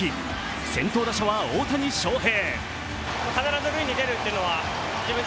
先頭打者は大谷翔平。